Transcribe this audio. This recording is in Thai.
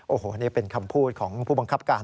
โอ้โหนี่เป็นคำพูดของผู้บังคับการ